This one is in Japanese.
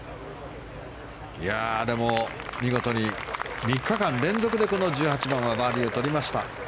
でも見事に３日間連続で１８番はバーディーをとりました。